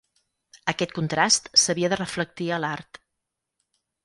Aquest contrast s'havia de reflectir a l'art.